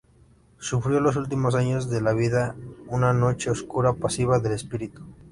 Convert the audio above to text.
Sufrió los últimos años de su vida una Noche Oscura Pasiva del Espíritu.